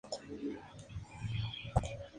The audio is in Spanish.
Come peces pequeños y crustáceos.